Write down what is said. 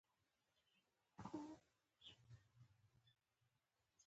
باسواده ښځې د خیریه کارونو ملاتړ کوي.